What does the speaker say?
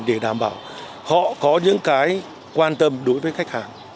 để đảm bảo họ có những cái quan tâm đối với khách hàng